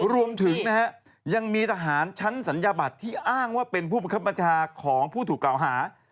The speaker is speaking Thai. รวมถึงนะฮะยังมีทหารชั้นศัลยบัตรที่อ้างว่าเป็นผู้บังคับบัญชาของผู้ถูกกล่าวหา